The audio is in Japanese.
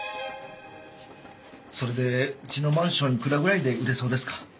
それでうちのマンションいくらぐらいで売れそうですか？